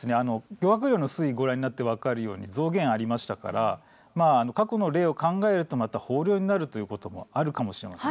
漁獲量の推移をご覧になって分かるように増減がありましたから過去の例を考えるとまた豊漁になるということもあるかもしれません。